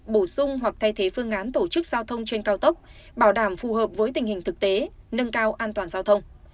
bổ sung hoặc thay thế phương án tổ chức giao thông trên cao tốc bảo đảm phù hợp với tình hình thực tế nâng cao an toàn giao thông